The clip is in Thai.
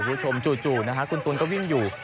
ผู้ชมจู่นะครับคุณตูนก็วิ่งอยู่